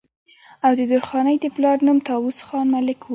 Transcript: او د درخانۍ د پلار نوم طاوس خان ملک وو